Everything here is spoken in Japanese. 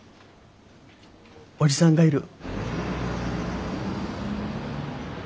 叔父さんがいる。